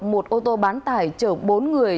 một ô tô bán tải chở bốn người